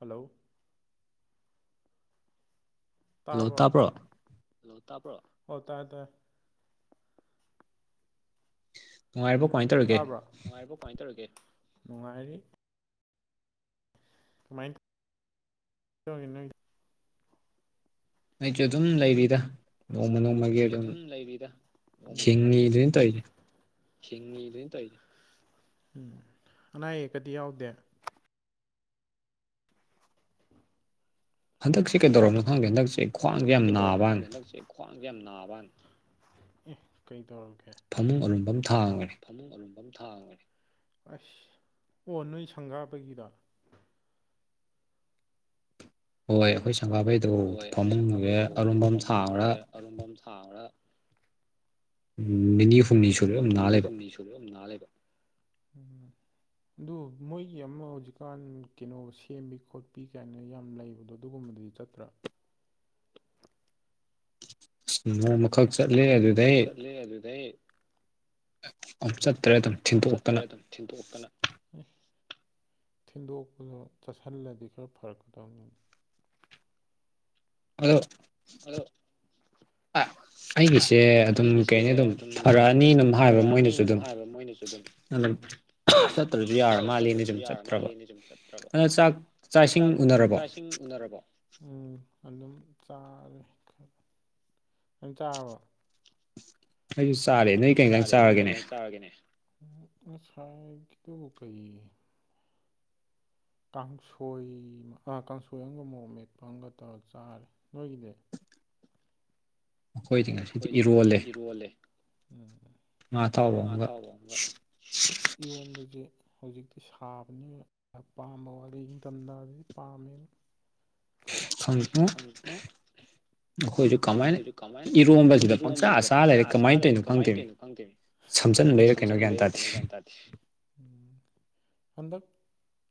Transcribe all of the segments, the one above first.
Hello ꯇꯥꯔꯕ‌ꯣ hello ꯇꯕꯔ‌ꯣ ꯑꯣ ꯇꯥꯔ‌ꯦ ꯇꯥꯏ ꯅꯨꯡꯉꯥꯏꯔꯕꯣ ꯀꯃꯥꯏ ꯇꯧꯔꯤꯒꯦ ꯅꯨꯡꯉꯥꯏꯔꯤꯕꯣ ꯀꯃꯥꯏ ꯇꯧꯔꯤꯒꯦ ꯅꯨꯡꯉꯥꯏꯔꯤ ꯀꯃꯥꯏꯅ ꯑꯩꯖꯨ ꯑꯗꯨꯝ ꯂꯩꯔꯤꯗ ꯅꯣꯡꯃ ꯅꯣꯡꯃꯒꯤ ꯑꯗꯨꯝ ꯍꯤꯡꯉꯤ ꯍꯥꯏꯗꯨꯅ‌ꯦ ꯇꯧꯔꯤꯁꯦ ꯍꯤꯡꯉꯤ ꯗꯨꯅꯤ ꯇ‌ꯧꯏꯖ‌ꯦ ꯎꯝ ꯑꯅꯥ ꯑꯌꯦꯛꯀꯗꯤ ꯌꯥꯎꯗꯦ ꯍꯟꯗꯛꯁꯦ ꯀꯩꯗꯧꯔꯕꯅꯣ ꯈꯪꯗꯦ ꯍꯟꯗꯛꯁꯤ ꯍꯟꯗꯛꯁꯦ ꯀꯩꯗꯧꯔꯕ ꯈꯪꯗꯦ ꯍꯟꯗꯛꯁꯦ ꯈ꯭ꯋꯥꯡꯁꯦ ꯌꯥꯝ ꯅꯥꯕ ꯑꯦ ꯀꯩ ꯇꯧꯔꯒꯦ ꯐꯃꯨꯡ ꯑꯔꯨꯝꯕꯃ ꯊꯥꯡꯈꯔꯦ ꯐꯥꯃꯨꯡ ꯑꯔꯨꯝꯕ ꯑꯃ ꯊꯡꯕꯅꯦ ꯑꯣ ꯅꯣꯏ ꯁꯪꯒꯥꯕꯒꯤꯗ ꯍꯣꯏ ꯑꯩꯈꯣꯏ ꯁꯪꯒꯥꯕꯩꯗꯣ ꯐꯃꯨꯡꯖꯦ ꯑꯔꯨꯝꯕ ꯑꯝ ꯊꯥꯡꯉꯨꯔ ꯑꯔꯨꯝꯕ ꯑꯃ ꯊꯥꯡꯕ ꯎꯝ ꯅꯤꯅꯤ ꯍꯨꯝꯅꯤ ꯁꯨꯔꯦ ꯑꯗꯨꯝ ꯅꯥ ꯂꯩꯕ ꯅꯥ ꯂꯩꯕ ꯑꯗꯨ ꯃꯣꯏꯒꯤ ꯑꯃ ꯍꯧꯖꯤꯛꯀꯥꯟ ꯀꯩꯅꯣ ꯁꯦꯝꯕꯤ ꯈꯣꯠꯄꯤ ꯀꯥꯏꯅ ꯌꯥꯝ ꯂꯩꯕꯗꯣ ꯑꯗꯨꯒꯨꯝꯕꯗꯤ ꯆꯠꯇ꯭ꯔꯥ ꯅꯣꯡ ꯃꯈꯛ ꯆꯠꯂꯦ ꯑꯗꯨꯗꯩ ꯅꯣꯏ ꯑꯗꯨꯗ ꯑꯗꯨ ꯆꯠꯇ꯭ꯔꯦ ꯑꯗꯨꯝ ꯊꯤꯟꯗꯣꯛꯇꯅ ꯊꯤꯟꯗꯣꯛꯄꯗꯣ ꯆꯠꯁꯤꯜꯂꯗꯤ ꯈꯔ ꯐꯔꯛꯀꯗꯕꯅꯤ ꯑꯗꯣ ꯍꯂꯣ ꯑꯥ ꯑꯩꯒꯤꯁꯦ ꯑꯗꯨꯝ ꯀꯩ ꯍꯥꯏꯅꯤ ꯑꯗꯨꯝ ꯐꯔꯛꯑꯅꯤ ꯑꯗꯨꯝ ꯍꯥꯏꯕ ꯃꯣꯏꯅꯁꯨ ꯑꯗꯨꯝ ꯑꯗꯨ ꯆꯠꯇ꯭ꯔꯁꯨ ꯌꯥꯔ ꯃꯥꯜꯂꯦꯅꯦ ꯁꯨꯝ ꯆꯠꯇ꯭ꯔꯕ ꯑꯗꯣ ꯆꯥꯛ ꯁꯤꯡ ꯎꯅꯔꯕꯣ ꯎꯝ ꯑꯗꯨꯝ ꯆꯥꯔꯦ ꯅꯪ ꯆꯥꯔꯕ ꯑꯩꯁꯨ ꯆꯥꯔꯦ ꯑꯩꯁꯨ ꯆꯥꯔꯦ ꯅꯣꯏ ꯀꯔꯤ ꯌꯦꯟꯁꯥꯡ ꯆꯥꯔꯒꯦꯅꯦ ꯎꯝ ꯉꯁꯥꯏꯒꯤꯗꯨꯕꯨ ꯀꯩ ꯀꯥꯡꯁꯣꯏ ꯀꯥꯡꯁꯣꯏ ꯑꯃꯒ ꯃꯣꯔꯣꯛ ꯃꯦꯠꯄ ꯑꯃꯒ ꯇꯧ ꯆꯥꯔꯦ ꯅꯣꯏꯒꯤꯗꯤ ꯑꯩꯈꯣꯏꯗꯤ ꯉꯁꯤꯗꯤ ꯏꯔꯣꯜꯂꯦ ꯎꯝ ꯉꯥ ꯑꯇꯥꯎꯕ ꯑꯃꯒ ꯌꯦꯟ ꯗꯨꯗꯤ ꯍꯧꯖꯤꯛꯇꯤ ꯁꯥꯕꯅꯤꯅ ꯄꯥꯝꯕ ꯋꯥꯔꯤ ꯅꯤꯡꯊꯝꯊꯥꯗꯗꯤ ꯄꯥꯝꯃꯦ ꯁꯝꯨꯝ ꯑꯩꯈꯣꯏꯁꯨ ꯀꯃꯥꯏꯅ ꯏꯔꯣꯝꯕꯁꯤꯗ ꯄꯪꯆꯥꯥ ꯆꯥ ꯂꯩꯔꯦ ꯀꯃꯥꯏꯅ ꯇꯧꯔꯤꯅꯣ ꯈꯪꯗꯦꯃꯤ ꯁꯝꯖꯟꯕꯒꯤꯔ ꯀꯩꯅꯣ ꯒ꯭ꯌꯥꯟ ꯇꯥꯗꯦ ꯍꯟꯗꯛ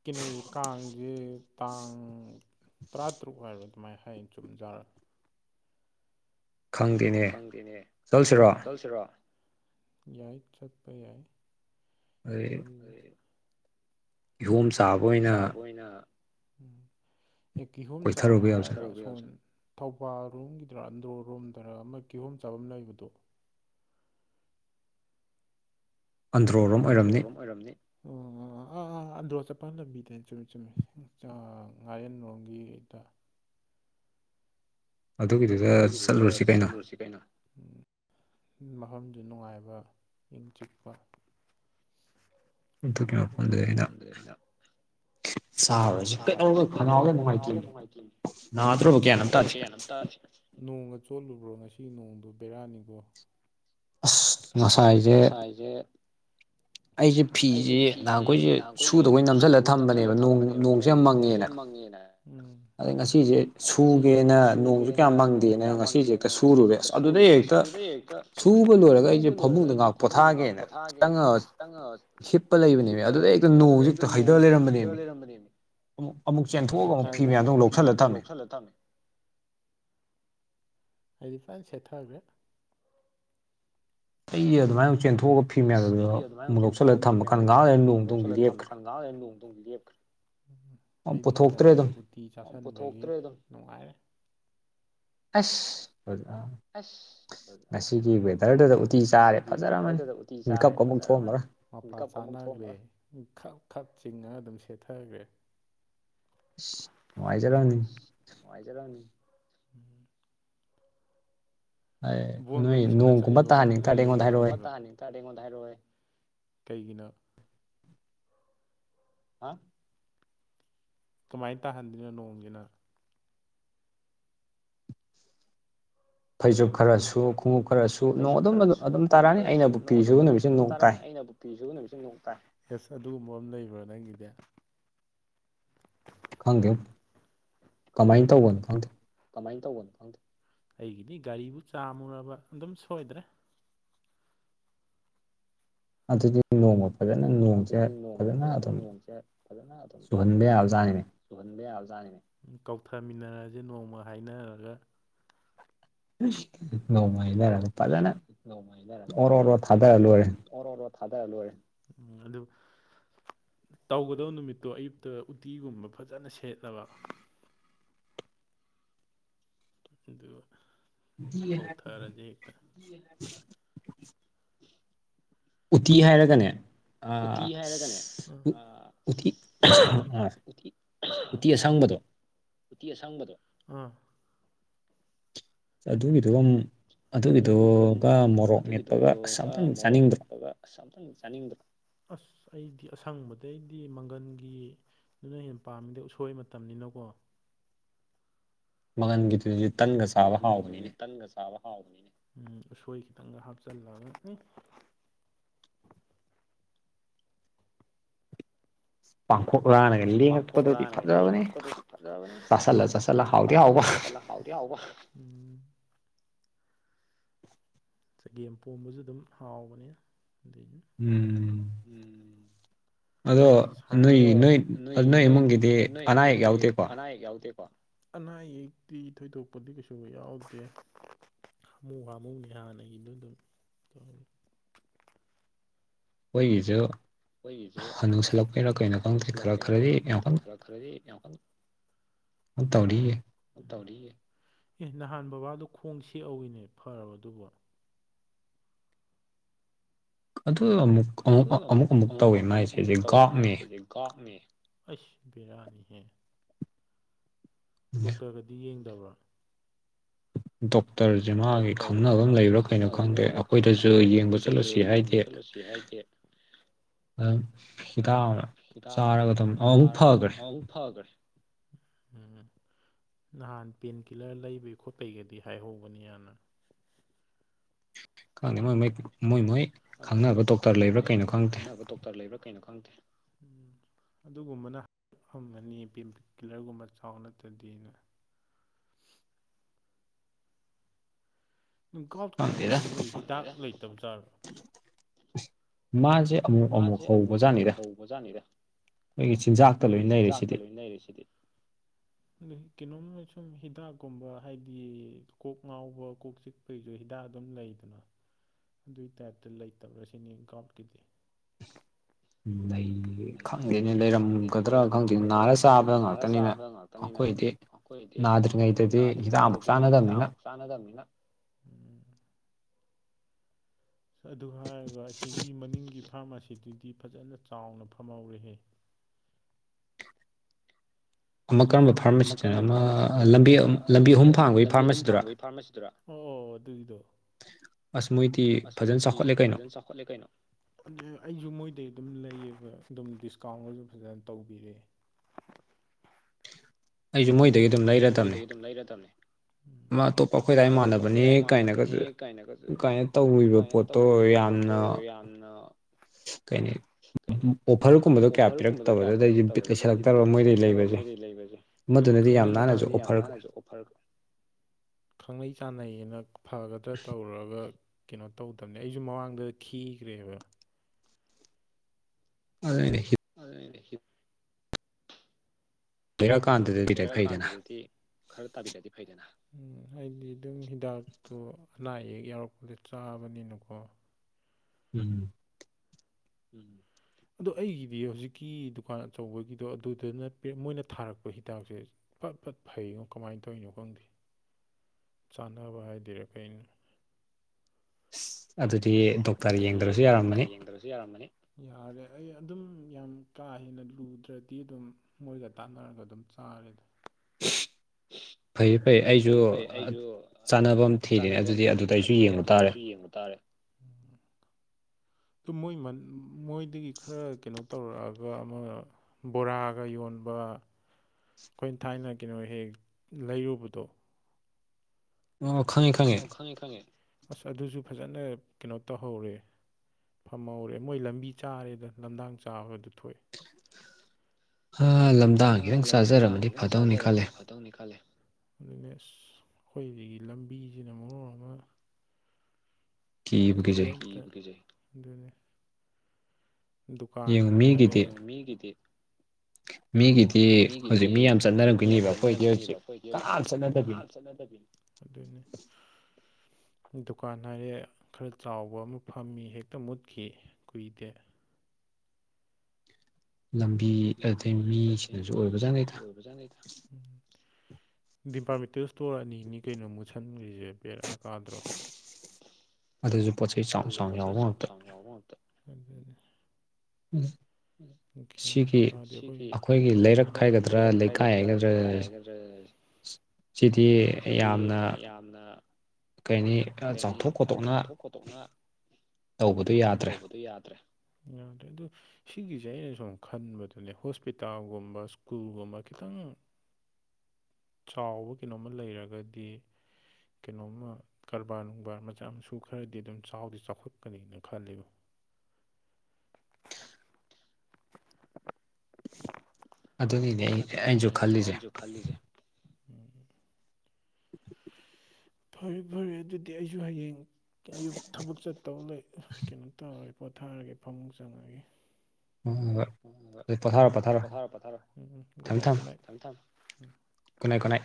ꯀꯩꯅꯣꯁꯦ ꯀꯥꯡꯁꯦ ꯇꯥꯡ ꯇꯔꯥ ꯇꯔꯨꯛ ꯍꯥꯏꯕꯔ ꯑꯗꯨꯃꯥꯏꯅ ꯍꯥꯏꯌꯦ ꯆꯨꯝꯖꯥꯔ ꯈꯪꯗꯦꯅꯦ ꯆꯠꯁꯤꯔꯣ ꯌꯥꯏ ꯆꯠꯄ ꯌꯥꯏ ꯀꯤꯍꯣꯝ ꯆꯥꯕ ꯑꯣꯏꯅ ꯀꯤꯍꯣꯝ ꯆꯥꯕ ꯍꯥꯏꯔꯒ ꯊꯧꯕꯥꯜꯔꯣꯝꯒꯤꯗꯔ ꯑꯟꯗ꯭ꯔꯣ ꯔꯣꯝꯗꯔ ꯑꯃ ꯀꯤꯍꯣꯝ ꯆꯥꯐꯝ ꯑꯃ ꯂꯩꯕꯗꯣ ꯑꯟꯗ꯭ꯔꯣ ꯑꯟꯗ꯭ꯔꯣ ꯔꯣꯝ ꯑꯣꯏꯔꯝꯅꯤ ꯑꯟꯗ꯭ꯔꯣ ꯆꯠꯐꯝ ꯂꯝꯕꯤꯗ ꯆꯨꯝꯃꯦ ꯆꯨꯝꯃꯦ ꯉꯥꯔꯤ ꯌꯥꯟ ꯂꯣꯝꯒꯤꯗ ꯑꯗꯨꯒꯤꯗꯨꯗ ꯆꯠꯂꯨꯔꯁꯤ ꯀꯩꯅꯣ ꯎꯝ ꯃꯐꯝꯖꯨ ꯅꯨꯡꯉꯥꯏꯕ ꯏꯪ ꯆꯤꯛꯄ ꯑꯗꯨꯒꯤ ꯃꯐꯝꯗꯨꯗ ꯑꯩꯅ ꯆꯥꯔꯁꯨ ꯀꯩꯗꯧꯒꯦ ꯈꯅꯥꯎꯗ ꯅꯨꯡꯉꯥꯏꯇꯦꯅꯦ ꯅꯥꯗꯣꯔꯕ ꯀꯩꯅꯣ ꯒꯌ꯭ꯥꯟ ꯇꯥꯗꯦ ꯅꯣꯡꯒ ꯆꯣꯠꯂꯨꯕ꯭ꯔꯣ ꯉꯁꯤ ꯅꯣꯡꯗꯣ ꯕꯦꯔꯥꯅꯤꯀꯣ ꯑꯁ ꯉꯁꯥꯏꯁꯦ ꯑꯩꯖꯦ ꯑꯩꯁꯦ ꯐꯤꯁꯦ ꯅꯍꯥꯟꯈꯣꯏꯁꯦ ꯁꯨꯗꯈꯣꯏ ꯅꯝꯁꯤꯜꯂꯒ ꯊꯝꯕꯅꯦꯕ ꯅꯣꯡꯁꯦ ꯌꯥꯝ ꯃꯪꯉꯦꯅ ꯎꯝ ꯑꯗꯩ ꯉꯁꯤꯁꯦ ꯁꯨꯒꯦꯅ ꯅꯣꯡꯁꯨ ꯀꯌꯥꯝ ꯃꯪꯗꯦꯅ ꯉꯁꯤꯁꯦ ꯍꯦꯛꯇ ꯁꯨꯔꯨꯔꯦ ꯑꯁ ꯑꯗꯨꯗꯩ ꯍꯦꯛꯇ ꯁꯨꯕ ꯂꯣꯏꯔꯒ ꯑꯩꯁꯦ ꯐꯃꯨꯡꯗ ꯉꯥꯏꯍꯥꯛ ꯄꯣꯊꯥꯒꯦꯅ ꯆꯪꯉꯒ ꯍꯤꯞꯄ ꯂꯩꯕꯅꯦꯃꯤ ꯑꯗꯨꯗꯩ ꯍꯦꯛꯇ ꯅꯣꯡ ꯍꯦꯛꯇ ꯍꯩꯊꯕ ꯂꯩꯔꯝꯕꯅꯦꯕꯃꯤ ꯑꯃꯨꯛ ꯑꯃꯨꯛ ꯆꯦꯟꯊꯣꯛꯑꯒ ꯑꯃꯨꯛ ꯐꯤ ꯃꯌꯥꯝ ꯑꯗꯨꯝ ꯂꯧꯁꯤꯜꯂ ꯊꯝꯃꯦ ꯈꯜꯂ ꯊꯃꯤ ꯑꯩꯗꯤ ꯐꯟ ꯁꯦꯠꯊꯥꯈ꯭ꯔꯦ ꯑꯩ ꯑꯗꯨꯃꯥꯏꯅ ꯑꯃꯨꯛ ꯆꯦꯟꯊꯣꯛꯑꯒ ꯐꯤ ꯃꯌꯥꯝꯗ‌ꯣ ꯑꯃꯨꯛ ꯂꯧꯁꯤꯜꯂꯒ ꯊꯝꯃꯀꯥꯟꯗ ꯉꯥꯏꯍꯥꯛ ꯂꯩꯔ ꯅꯣꯡꯗꯨ ꯃꯨꯛ ꯂꯦꯞꯈ꯭ꯔꯦ ꯉꯍꯥꯛ ꯂꯩꯔ ꯅꯣꯡ ꯑꯗꯨꯝ ꯂꯦꯞꯈꯔ꯭ꯦ ꯑꯩꯗꯤ ꯉꯁꯥꯏ ꯑꯌꯨꯛ ꯎꯇꯤ ꯆꯥꯥꯁꯜꯂꯦ ꯄꯨꯊꯣꯛꯇ꯭ꯔꯦ ꯑꯗꯨꯝ ꯅꯨꯡꯉꯥꯏꯔꯦ ꯑꯁ ꯐꯖꯔꯦ ꯉꯁꯤꯒꯤ ꯋꯦꯗꯔꯗꯨꯗ ꯎꯇꯤ ꯆꯥꯔꯦ ꯐꯖꯔꯝꯃꯅꯤ ꯃꯤꯀꯞꯀ ꯑꯃꯨꯛ ꯊꯣꯛꯑꯝꯃꯔ‌ꯣꯏ ꯃꯄꯥ ꯆꯥꯅꯈ꯭ꯔꯦ ꯈꯞ ꯈꯞ ꯆꯤꯡꯉ ꯑꯗꯨꯝ ꯁꯦꯠꯊꯈ꯭ꯔꯦ ꯑꯁ ꯅꯨꯡꯉꯥꯏꯖꯔꯝꯅꯤ ꯅꯨꯡꯉꯥꯏꯖꯔꯝꯅꯤ ꯎꯝ ꯕꯣꯜꯒꯗꯤ ꯁꯥꯟꯅ ꯆꯠꯂꯤꯕꯣ ꯀꯃꯥꯏꯅ ꯇꯧꯔꯤꯒꯦ ꯀꯛꯑꯗꯤ ꯑꯩꯉꯣꯟꯗ ꯍꯥꯏꯔꯛꯑꯣꯍꯦ ꯀꯩꯒꯤꯅꯣ ꯍꯥ ꯀꯃꯥꯏ ꯇꯥꯍꯟꯗꯤꯅꯣ ꯅꯣꯡꯒꯤꯅ ꯐꯩꯖꯨꯞ ꯈꯔꯁꯨ ꯈꯣꯡꯎꯞ ꯈꯔꯁꯨ ꯅꯣꯡ ꯑꯗꯨꯝꯕ ꯑꯗꯨꯝ ꯇꯥꯔꯛꯑꯅꯤ ꯑꯩꯅꯕꯨ ꯄꯤꯁꯨꯕ ꯅꯨꯃꯤꯠꯁꯦ ꯅꯣꯡ ꯇꯥꯏ ꯐꯤ ꯁꯨꯕ ꯅꯨꯃꯤꯠ ꯅꯣꯡ ꯇꯥꯏ ꯑꯗꯨꯒꯨꯝꯕ ꯑꯃ ꯂꯩꯕ꯭ꯔꯥ ꯅꯪꯒꯤꯗꯤ ꯈꯪꯗꯦꯕ‌ꯣ ꯀꯃꯥꯏꯅ ꯇꯧꯕꯅꯣ ꯈꯪꯗꯦ ꯀꯃꯥꯏꯅ ꯇꯧꯕꯅꯣ ꯈꯪꯗꯦ ꯑꯩꯒꯤꯗꯤ ꯒꯥꯔꯤꯕꯨ ꯆꯥꯃꯨꯔꯕ ꯑꯗꯨꯝ ꯁꯣꯏꯗ꯭ꯔꯦ ꯑꯗꯨꯗꯤ ꯅꯣꯡꯃꯗ ꯐꯖꯅ ꯅꯣꯡꯁꯦ ꯐꯖꯅ ꯑꯗꯨꯝ ꯆꯨꯍꯟꯕ ꯌꯥꯕꯖꯥꯠꯅꯤꯅꯦ ꯆꯨꯍꯟꯕ ꯌꯥꯕꯖꯥꯠꯅꯤꯅꯦ ꯀꯧꯊꯃꯤꯟꯅꯔꯁꯦ ꯅꯣꯡꯃ ꯍꯥꯏꯅꯔꯒ ꯅꯣꯡꯃ ꯍꯥꯏꯅꯔꯒ ꯐꯖꯅ ꯑꯣꯔꯣ ꯑꯣꯔꯣ ꯊꯥꯗꯔ ꯂꯣꯏꯔꯦ ꯑꯣꯔꯣ ꯑꯣꯔꯣ ꯊꯥꯗꯔꯂꯣꯏꯔꯦ ꯑꯗꯨ ꯇꯧꯒꯗꯕ ꯅꯨꯃꯤꯠꯇꯣ ꯑꯌꯨꯛꯇ ꯎꯇꯤꯒꯨꯝꯕ ꯐꯖꯅ ꯁꯦꯠꯂꯕ ꯑꯗꯨꯒ ꯇꯧꯊꯔꯁꯤ ꯍꯦꯛꯇ ꯎꯇꯤ ꯍꯥꯏꯔꯒꯅꯦ ꯎꯇꯤ ꯍꯥꯏꯔꯒꯅꯦ ꯑ ꯎꯇꯤ ꯑ ꯎꯇꯤ ꯑꯁꯪꯕꯗꯣ ꯎ ꯑꯗꯨꯒꯤꯗꯨ ꯑꯗꯨꯒꯤꯗꯨꯒ ꯃꯣꯔꯣꯛ ꯃꯦꯠꯄꯒ ꯑꯁ ꯑꯝꯇꯪ ꯆꯥꯅꯤꯡꯗ꯭ꯔꯣ ꯑꯁ ꯑꯃꯇꯪ ꯆꯥꯅꯤꯡꯗ꯭ꯔꯣ ꯑꯁ ꯑꯩꯗꯤ ꯑꯁꯪꯕꯗꯩꯗꯤ ꯃꯪꯒꯟꯒꯤ ꯑꯗꯨꯅ ꯍꯦꯟꯅ ꯄꯥꯝꯃꯤꯗꯩ ꯎꯁꯣꯏꯕ ꯃꯇꯝꯅꯤꯅꯀꯣ ꯃꯒꯟꯒꯤꯗꯨꯗꯤ ꯇꯟꯒ ꯆꯥꯕ ꯍꯥꯎꯕꯅꯤꯅꯦ ꯍꯥꯎꯕꯅꯤꯅꯦ ꯎꯝ ꯑꯁꯣꯏ ꯈꯤꯇꯪꯒ ꯍꯥꯞꯆꯜꯂꯒ ꯄꯥꯡꯈꯣꯛ ꯂꯥꯅꯒ ꯂꯦꯡꯉꯛꯄꯗꯗꯤ ꯐꯖꯕꯅꯤ ꯆꯥꯁꯤꯜꯂ ꯆꯥꯁꯤꯜꯂ ꯍꯥꯎꯗꯤ ꯍꯥꯎꯕ ꯍꯥꯎꯗꯤ ꯍꯥꯎꯕ ꯎꯝ ꯆꯒꯦꯝ ꯄꯣꯝꯕꯁꯨ ꯑꯗꯨꯝ ꯍꯥꯎꯕꯅꯦꯗ ꯑꯗꯩꯩ [inaudible] ꯑꯗꯣ ꯅꯣꯏ ꯅꯣꯏ ꯅꯣꯏ ꯏꯃꯨꯡꯒꯤꯗꯤ ꯑꯅꯥ ꯑꯌꯦꯛ ꯌꯥꯎꯗꯦꯀꯣ ꯑꯅꯥ ꯑꯌꯦꯛꯇꯤ ꯊꯣꯏꯗꯣꯛꯄꯗꯤ ꯀꯩꯁꯨ ꯌꯥꯎꯗꯦ ꯍꯥꯃꯨ ꯍꯥꯃꯨꯅꯦ ꯍꯥꯟꯅꯒꯤꯗꯨ ꯑꯗꯨꯝ ꯇꯧ ꯑꯩꯈꯣꯏꯒꯤꯖꯨ ꯍꯅꯨꯁꯜꯂꯛꯄꯩꯔ ꯀꯩꯅꯣ ꯈꯪꯗꯦ ꯈꯔ ꯈꯔꯗꯤ ꯌꯥ ꯑ ꯇꯧꯔꯤꯑꯦ ꯇꯧꯔꯤ ꯑꯦ ꯅꯍꯥꯟ ꯕꯕꯥꯗꯣ ꯈꯣꯡ ꯁꯦꯛꯍꯧꯋꯤꯅꯦ ꯐꯔꯕ ꯑꯗꯨꯕꯣ ꯑꯗꯨ ꯑꯃꯨꯛꯨ ꯑꯃꯨꯛ ꯑꯃꯨꯛ ꯇꯧꯋꯦ ꯃꯥꯏꯁꯦ ꯒꯥꯛꯅꯤ ꯀꯥꯅꯤ ꯑꯁ ꯕꯦꯔꯅꯤ ꯍꯦ ꯗꯣꯛꯇꯔꯒꯗꯤ ꯌꯦꯡꯗꯕ꯭ꯔꯥ ꯗꯣꯛꯇꯔꯖꯦ ꯃꯥꯒꯤ ꯈꯪꯅꯕꯝ ꯂꯩꯕ꯭ꯔꯥ ꯀꯩꯅꯣ ꯈꯪꯗꯦ ꯑꯈꯣꯏꯗꯁꯨ ꯌꯦꯡꯕ ꯆꯠꯂꯨꯁꯤ ꯀꯦ ꯍꯥꯏꯗꯦ ꯑꯗꯨꯝ ꯍꯤꯗꯥꯛ ꯑꯃ ꯆꯥꯔꯒ ꯑꯗꯨꯝ ꯑꯃꯨꯛ ꯐꯒꯔꯦ ꯐꯒꯔꯦ ꯎꯝ ꯅꯍꯥꯟ ꯄꯦꯟꯀꯤꯜꯂꯔ ꯂꯩꯕꯩ ꯈꯣꯠꯄꯩꯒꯗꯤ ꯍꯥꯏꯍꯧꯕꯅꯤ ꯑꯅ ꯈꯪꯗꯦ ꯃꯣꯏ ꯃꯣꯏ ꯃꯣꯏ ꯃꯣꯏ ꯈꯪꯅꯕ ꯗꯣꯛꯇꯔ ꯂꯩꯕ꯭ꯔꯥ ꯀꯩꯅꯣ ꯈꯪꯗꯦ ꯗꯣꯛꯇꯔ ꯂꯩꯕ꯭ꯔꯥ ꯀꯩꯅꯣ ꯈꯪꯗꯦ ꯎꯝ ꯑꯗꯨꯒꯨꯝꯕꯅ ꯐꯝꯃꯅꯤ ꯄꯤꯝ ꯀꯤꯂꯔꯒꯨꯝꯕ ꯆꯥꯎ ꯅꯠꯇꯔ꯭ꯗꯤꯅ ꯀꯥꯎꯠꯀꯤꯁꯤꯕꯨ ꯃꯣꯏ ꯍꯤꯗꯥꯛ ꯂꯩꯇꯕꯖꯥꯔꯣ ꯃꯥꯖꯦ ꯃꯥꯖꯦ ꯑꯃꯨꯛ ꯑꯃꯨꯛ ꯍꯧꯕꯖꯥꯠꯅꯤꯗ ꯑꯩꯒꯤ ꯆꯤꯟꯖꯥꯛꯇ ꯂꯣꯏ ꯂꯩꯔꯦ ꯁꯤꯗꯤ ꯑ ꯀꯩꯅꯣꯝꯃ ꯁꯨꯝ ꯍꯤꯗꯥꯛꯀꯨꯝꯕ ꯍꯥꯏꯗꯤ ꯀꯣꯛ ꯉꯥꯎꯕ ꯀꯣꯛ ꯆꯤꯛ ꯀꯩ ꯀꯩ ꯍꯤꯗꯥꯛ ꯑꯗꯨꯝ ꯂꯩꯗꯅ ꯑꯗꯨꯏ ꯇꯥꯏꯞꯇ ꯂꯩꯇꯕ꯭ꯔꯥ ꯁꯤꯅꯦ ꯒꯥꯎꯠꯀꯤꯗꯤ ꯎ ꯂꯩ ꯈꯪꯗꯦꯅꯦ ꯂꯩꯔꯝꯒꯗ꯭ꯔꯥ ꯈꯪꯗꯦ ꯅꯥꯔ ꯆꯥꯕꯗ ꯉꯥꯛꯇꯅꯤꯅ ꯑꯩꯈꯣꯏꯗꯤ ꯅꯥꯗ꯭ꯔꯤꯉꯩꯗꯗꯤ ꯍꯤꯗꯥꯛꯃꯨꯛ ꯆꯥꯟꯅꯗꯕꯅꯤꯅ ꯑꯗꯨ ꯍꯥꯏꯔꯒ ꯑꯁꯤꯒꯤ ꯃꯅꯤꯡꯒꯤ ꯐꯥꯔꯃꯥꯁꯤꯗꯨꯗꯤ ꯐꯖꯅ ꯆꯥꯎꯅ ꯐꯝꯍꯧꯔꯦꯍꯦ ꯑꯃ ꯀꯥꯟꯕꯗ ꯑꯃ ꯀꯔꯝꯕ ꯐꯥꯔꯃꯥꯁꯤꯗꯨꯅ ꯑꯃ ꯂꯝꯕꯤ ꯂꯝꯕꯤ ꯑꯍꯨꯝ ꯐꯥꯡꯕꯒꯤ ꯐꯥꯔꯃꯥꯁꯤꯗꯨꯔꯥ ꯑꯣ ꯑꯣ ꯑꯗꯨꯏꯗꯣ ꯑꯁ ꯃꯣꯏꯗꯤ ꯐꯖꯅ ꯆꯥꯎꯈꯠꯂꯦ ꯀꯩꯅꯣ ꯑꯗꯨꯅꯤ ꯑꯩꯖꯨ ꯃꯣꯏꯗꯩꯩ ꯑꯗꯨꯝ ꯂꯩꯌꯦꯕ ꯑꯗꯨꯝ ꯗꯤꯁꯀꯥꯎꯟ ꯒꯖꯨ ꯐꯖꯅ ꯇꯧꯕꯤꯔꯛꯑꯦ ꯑꯩꯖꯨ ꯃꯣꯏꯗꯒꯤ ꯑꯗꯨꯝ ꯑꯩꯖꯨ ꯃꯣꯏꯗꯒꯤ ꯑꯗꯨꯝ ꯂꯩꯔꯗꯝꯅꯤ ꯍꯣꯏ ꯃꯥ ꯑꯇꯣꯞꯄ ꯑꯈꯣꯏ ꯗꯥꯏ ꯃꯥꯟꯅꯕꯅꯦ ꯀꯥꯏꯅꯒ ꯀꯥꯏꯅ ꯇꯧꯔꯤꯕ ꯄꯣꯠꯇꯣ ꯌꯥꯝꯅ ꯀꯔꯤ ꯀꯩ ꯑꯣꯐꯔꯒꯨꯝꯕꯗꯣ ꯀꯌꯥ ꯄꯤꯔꯛꯇꯕꯗꯨꯗ ꯕꯤꯠ ꯂꯩꯁꯜꯂꯛꯇꯔꯕ ꯃꯣꯏꯗꯩꯩ ꯂꯩꯕꯁꯦ [unintelligible] ꯌꯥꯝ ꯅꯥꯟꯅꯁꯨ ꯑꯣꯐꯔ ꯈꯪꯅꯩ ꯆꯥꯟꯅꯩꯑꯅ ꯐꯒꯗ꯭ꯔꯥ ꯇꯧꯔꯨꯔꯒ ꯀꯩꯅꯣ ꯇꯧꯗꯕꯅꯦ ꯑꯩꯁꯨ ꯃꯃꯥꯡꯗ ꯈꯤꯈ꯭ꯔꯦꯕ ꯑꯗꯨꯅꯦ ꯈꯤꯠ ꯑꯗꯨꯔ ꯍꯤꯞ ꯀꯥꯟꯗꯇꯊꯤ ꯈꯔ ꯇꯥꯕꯤꯔꯗꯤ ꯐꯩꯗꯅ ꯎꯝ ꯑꯩꯗꯤ ꯑꯗꯨꯝ ꯍꯤꯗꯥꯛꯇꯣ ꯑꯅꯥ ꯑꯌꯦꯛ ꯌꯥꯎꯔꯛꯄꯗ ꯆꯥꯕꯅꯤꯅꯀꯣ ꯎꯝ ꯎꯝ ꯑꯗꯣ ꯑꯩꯒꯤꯗꯤ ꯍꯧꯖꯤꯛꯀꯤ ꯗꯨꯀꯥꯟ ꯑꯆꯧꯕꯒꯤꯗꯣ ꯑꯗꯨꯗꯅ ꯃꯣꯏꯅ ꯊꯥꯔꯛꯄ ꯍꯤꯗꯥꯛꯁꯦ ꯐꯠ ꯐꯠ ꯐꯩꯉꯣ ꯀꯃꯥꯏ ꯇꯧꯏꯅꯣ ꯈꯪꯗꯦ ꯆꯥꯟꯅꯕ ꯍꯥꯏꯗꯣꯏꯔꯥ ꯀꯩꯅꯣ ꯑꯗꯨꯗꯤ ꯗꯣꯛꯇꯔ ꯌꯦꯡꯗ꯭ꯔꯁꯨ ꯌꯥꯔꯝꯃꯅꯤ ꯌꯥꯔꯦ ꯑꯩ ꯑꯗꯨꯝ ꯌꯥꯝ ꯀꯥ ꯍꯦꯟꯅ ꯂꯨꯗ꯭ꯔꯗꯤ ꯑꯗꯨꯝ ꯃꯣꯏꯒ ꯇꯥꯟꯅꯔꯒ ꯑꯗꯨꯝ ꯆꯥꯔꯦꯗ [unintelligible] [unintelligible] ꯐꯩꯌꯦ ꯐꯩ ꯑꯩꯖꯨ ꯑꯗ ꯆꯥꯟꯅꯕ ꯑꯝ ꯊꯤꯔꯦ ꯑꯗꯨꯗꯤ ꯑꯗꯨꯗ ꯑꯩꯖꯨ ꯌꯦꯡꯕ ꯇꯥꯔꯦ ꯑꯗꯨ ꯃꯣꯏ ꯃꯣꯏꯗꯒꯤ ꯈꯔ ꯀꯩꯅꯣ ꯇꯧꯔꯛꯑꯒ ꯑꯃ ꯕꯣꯔꯥꯒ ꯌꯣꯟꯕ ꯈꯣꯏꯅ ꯊꯥꯏꯅ ꯀꯩꯅꯣ ꯍꯦꯍꯦꯛ ꯂꯩꯔꯨꯕꯗꯣ ꯑꯣ ꯈꯪꯉꯦ ꯑꯣ ꯈꯪꯉꯦ ꯈꯪꯉꯦ ꯑꯁ ꯑꯗꯨꯁꯨ ꯐꯖꯅ ꯀꯩꯅꯣ ꯇꯧꯍꯧꯔꯦ ꯐꯝꯍꯧꯔꯦ ꯃꯣꯏ ꯂꯝꯕꯤ ꯆꯥꯔꯦꯗ ꯂꯝꯗꯥꯡ ꯆꯥꯕꯗ‌ꯣ ꯊꯣꯛꯑꯦ ꯍꯥ ꯂꯝꯗꯥꯡ ꯈꯤꯇꯪ ꯆꯥꯔꯖꯔ ꯑꯃꯗꯤ ꯐꯗꯧꯅꯤ ꯈꯜꯂꯦ ꯇꯧꯅꯤ ꯈꯜꯂꯦ ꯑꯗꯨꯅꯦ ꯑꯁ ꯑꯈꯣꯏꯒꯤ ꯂꯝꯕꯤꯖꯤꯅ ꯃꯔꯣꯟ ꯑꯃ ꯀꯦꯝꯇ ꯀꯤꯕꯨ ꯀꯤꯖꯩ ꯗꯨꯅꯤ ꯗꯨꯀꯥꯟ ꯍꯥꯏꯔꯦ ꯃꯤꯒꯤꯗꯤ [unintelligible] ꯃꯤꯒꯤꯗꯤ ꯍꯨꯖꯤꯛ ꯃꯤ ꯌꯥꯝ ꯆꯠꯅꯔꯝꯒꯤꯅꯤꯕ ꯑꯈꯣꯏꯗꯤ ꯍꯧꯖꯤꯛ ꯀꯅꯥꯝ ꯆꯠꯅꯗꯕꯤꯅꯤ ꯑꯗꯨꯅꯤ ꯗꯨꯀꯥꯟ ꯍꯥꯏꯔꯦ ꯈꯔ ꯆꯥꯎꯕ ꯑꯃ ꯐꯝꯃꯤ ꯍꯦꯛꯇ ꯃꯨꯠꯈꯤ ꯀꯨꯏꯗꯦ ꯂꯝꯕꯤ ꯑꯗꯩ ꯃꯤꯁꯤꯅꯁꯨ ꯑꯣꯏꯕ ꯖꯥꯅꯤꯗ ꯕꯖꯥꯅꯤꯗ ꯑ ꯗꯤꯄꯥꯔꯃꯦꯟꯇꯦꯜ ꯏꯁ꯭ꯇꯣꯔ ꯑꯅꯤꯅꯤ ꯀꯩꯅꯣ ꯃꯨꯠꯁꯟꯒꯔꯤꯁꯦ ꯕꯦꯔꯥ ꯀꯥꯗ꯭ꯔꯣ ꯑꯗꯨꯖꯨ ꯄꯣꯠꯆꯩ ꯑꯗꯨꯖꯨ ꯄꯣꯠ ꯆꯩꯩ ꯆꯥꯎ ꯆꯥꯎꯅ ꯌꯥꯎꯕ ꯉꯥꯛꯇ ꯑꯗꯨꯅꯤ ꯎꯝ ꯁꯤꯒꯤ ꯑꯈꯣꯏꯒꯤ ꯂꯩꯔꯛ ꯍꯥꯏꯒꯗ꯭ꯔꯥ ꯂꯩꯀꯥꯏ ꯍꯥꯏꯒꯗ꯭ꯔꯥ ꯁꯤꯗꯤ ꯌꯥꯝꯅ ꯀꯩꯅꯤ ꯆꯥꯎꯊꯣꯛ ꯈꯣꯠꯇꯣꯛꯅ ꯇꯣꯛꯅ ꯇꯧꯕꯗꯨ ꯌꯥꯗ꯭ꯔꯦ ꯌꯥꯗꯔ꯭ꯦ ꯑꯗꯨ ꯁꯤꯒꯤꯖꯦ ꯑꯩꯅ ꯁꯨꯝ ꯈꯟꯕꯗꯨꯅꯦ ꯍꯣꯁꯄꯤꯇꯥꯜꯒꯨꯝꯕ ꯁ꯭ꯀꯨꯜꯒꯨꯝꯕ ꯈꯤꯇꯪ ꯫ ꯆꯥꯎꯕ ꯀꯩꯅꯣꯝꯃ ꯂꯩꯔꯒꯗꯤ ꯀꯩꯅꯣꯝꯃ ꯀꯔꯕꯥꯔ ꯅꯨꯡꯕꯥꯔ ꯃꯆꯥ ꯃꯁꯨ ꯈꯔꯗꯤ ꯑꯗꯨꯝ ꯆꯥꯎꯗꯤ ꯆꯥꯎꯈꯠꯀꯅꯤꯅ ꯈꯜꯂꯤꯕ ꯑꯗꯨꯅꯤꯅꯦ ꯑꯩ ꯑꯩꯅꯖꯨ ꯈꯜꯂꯤꯖꯦ ꯎꯝ ꯐꯔꯦ ꯐꯔꯦ ꯑꯗꯨꯗꯤ ꯑꯩꯁꯨ ꯍꯌꯦꯡ ꯑꯌꯨꯛ ꯊꯕꯛ ꯆꯠꯇꯧ ꯂꯩ ꯀꯩꯅꯣ ꯇꯧꯔꯒꯦ ꯄꯣꯊꯥꯔꯒꯦ ꯐꯃꯨꯡ ꯆꯪꯉꯒꯦ ꯎꯝ ꯍꯣꯏ ꯍꯣꯏ ꯍꯣꯏ ꯎꯝ ꯑꯗꯨ ꯄꯣꯊꯥꯔꯣ ꯄꯣꯊꯥꯔꯣ ꯎꯝ ꯎꯝ ꯒꯨꯠ ꯅꯥꯏꯠ ꯒꯨꯠ ꯅꯥꯏꯠ ꯊꯝꯃꯦ ꯊꯝ ꯒꯨꯗ ꯅꯥꯏꯠ ꯒꯨꯗ ꯅꯥꯏꯠ